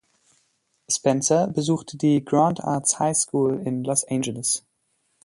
Spencer besuchte die Grand Arts High School in Los Angeles.